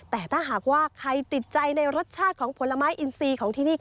แต่ถ้าหากว่าใครติดใจในรสชาติของผลไม้อินซีของที่นี่